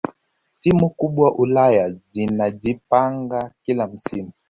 timu kubwa ulaya zinajipanga kila msimu